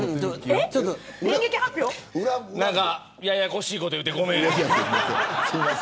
何かややこしいこと言うてごめん。